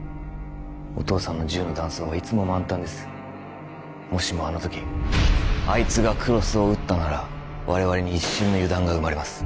お父さんの銃の弾倉はいつも満タンですもしもあの時あいつが黒須を撃ったなら我々に一瞬の油断が生まれます